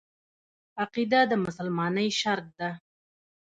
عقیده د مسلمانۍ شرط دی.